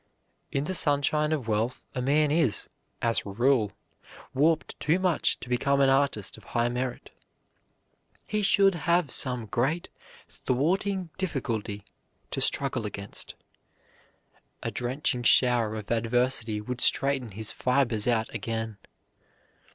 In the sunshine of wealth a man is, as a rule, warped too much to become an artist of high merit. He should have some great thwarting difficulty to struggle against. A drenching shower of adversity would straighten his fibers out again.